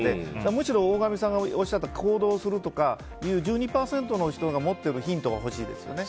むしろ大神さんがおっしゃった行動するとか１２％の人が持っているヒントが欲しいですね。